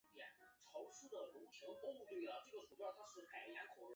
披针纺锤水蚤为纺锤水蚤科纺锤水蚤属的动物。